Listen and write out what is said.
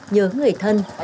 nhớ người thân